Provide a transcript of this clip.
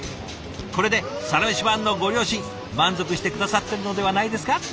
これで「サラメシ」ファンのご両親満足して下さってるのではないですか？